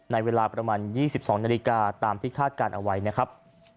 ในเวลาประมาณ๒๒นาฬิกาตามที่คาดการณ์เอาไว้นะครับ